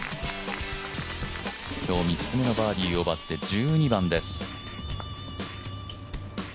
今日３つめのバーディーを奪って１２番です。